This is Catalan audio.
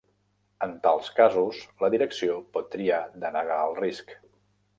En tals casos, la direcció pot triar denegar el risc.